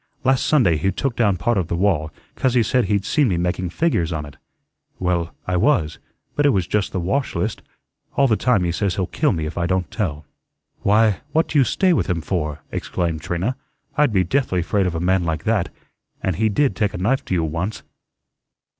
Last Sunday he took down part of the wall, 'cause he said he'd seen me making figures on it. Well, I was, but it was just the wash list. All the time he says he'll kill me if I don't tell." "Why, what do you stay with him for?" exclaimed Trina. "I'd be deathly 'fraid of a man like that; and he did take a knife to you once."